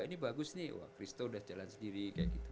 ini bagus nih wah christo udah jalan sendiri kayak gitu